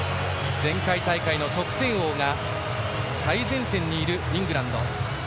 前回大会の得点王が最前線にいるイングランド。